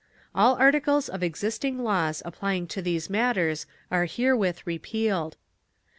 All articles of existing laws applying to these matters are herewith repealed.